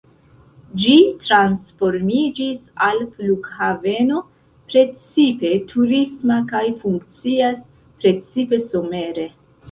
Ĝi transformiĝis al flughaveno precipe turisma kaj funkcias precipe somere.